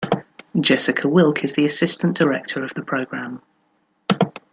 Jessica Wilke is the Assistant director of the program.